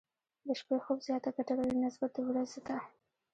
د شپې خوب زياته ګټه لري، نسبت د ورځې ته.